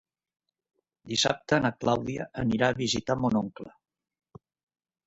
Dissabte na Clàudia anirà a visitar mon oncle.